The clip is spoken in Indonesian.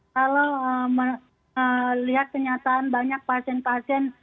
kalau melihat kenyataan banyak pasien pasien